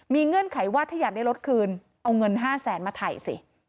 เงื่อนไขว่าถ้าอยากได้รถคืนเอาเงิน๕แสนมาถ่ายสิ